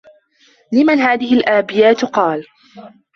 لِمَنْ هَذِهِ الْأَبْيَاتُ ؟ قَالَ